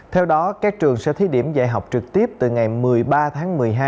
theo đó các trường sẽ thí điểm dạy học trực tiếp từ ngày một mươi ba tháng một mươi hai